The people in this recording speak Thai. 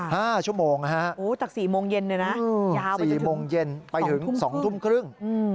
ค่ะโอ้โฮจาก๔โมงเย็นเลยนะยาวไปถึง๒ทุ่มครึ่ง